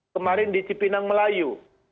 kemarin di cipinang melayu